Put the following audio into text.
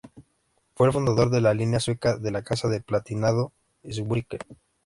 Fue el fundador de la línea sueca de la Casa de Palatinado-Zweibrücken.